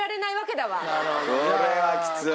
これはきつい。